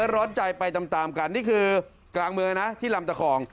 ร้อนใจไปตามกันนี่คือกลางเมืองนะที่ลำตะคอง